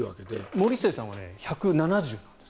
森末さんは１７０ｃｍです。